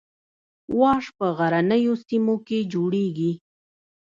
واش په غرنیو سیمو کې جوړیږي